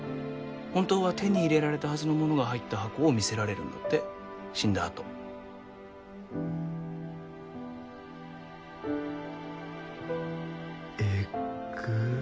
本当は手に入れられたはずのものが入った箱を見せられるんだって死んだあと。えっぐ。